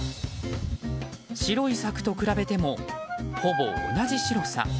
白い柵と比べても、ほぼ同じ白さ。